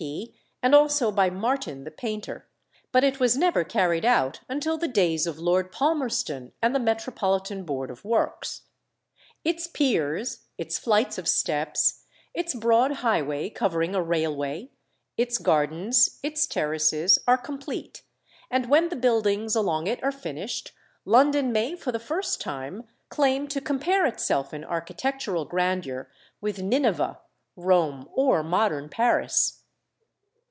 P., and also by Martin the painter; but it was never carried out until the days of Lord Palmerston and the Metropolitan Board of Works. Its piers, its flights of steps, its broad highway covering a railway, its gardens, its terraces, are complete; and when the buildings along it are finished London may for the first time claim to compare itself in architectural grandeur with Nineveh, Rome, or modern Paris.